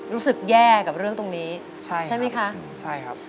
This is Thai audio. รู้สึกแย่กับเรื่องตรงนี้ใช่ใช่ไหมคะใช่ครับ